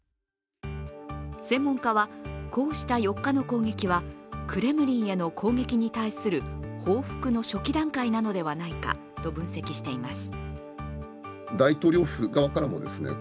専門家は、こうした４日の攻撃はクレムリンへの攻撃に対する報復の初期段階なのではないかと分析しています。